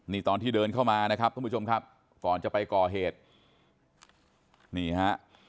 นี่ตอนที่เดินเข้ามานะครับท่านผู้ชมครับก่อนจะไปก่อเหตุนี่ฮะ